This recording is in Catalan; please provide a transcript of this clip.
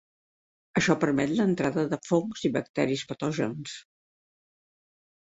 Això permet l'entrada de fongs i bacteris patògens.